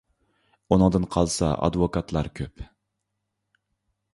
ئۇنىڭدىن قالسا ئادۋوكاتلار كۆپ.